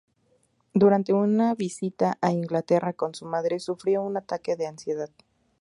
Durante una visita a Inglaterra con su madre sufrió un ataque de ansiedad.